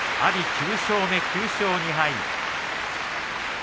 ９勝目、９勝２敗。